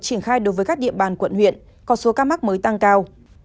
triển khai đối với các địa bàn quận huyện có số ca mắc mới tăng cao